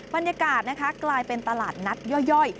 บรรยากาศนะคะกลายเป็นตลาดนัดย่อย